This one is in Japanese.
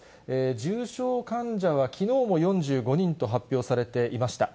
重症患者はきのうも４５人と発表されていました。